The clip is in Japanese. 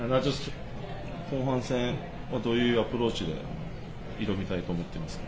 後半戦はどういうアプローチで挑みたいなと思っていますか？